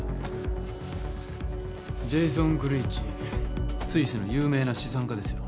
ジェイソン・グリーチスイスの有名な資産家ですよ